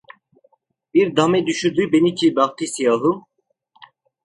Bir dame düşürdü beni ki bahtı siyahım…